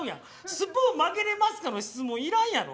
「スプーン曲げれますか？」の質問いらんやろ？